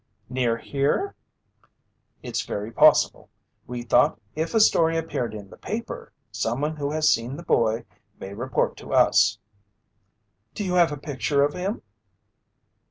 "Near here?" "It's very possible. We thought if a story appeared in the paper, someone who has seen the boy may report to us." "Do you have a picture of him?"